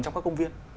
trong các công viên